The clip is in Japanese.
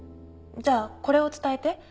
じゃあこれを伝えて。